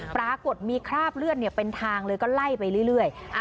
ปรากฏมีคราบเลือดเป็นทางเลยก็ไล่ไปเรื่อย